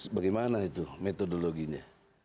bagaimana itu metodologinya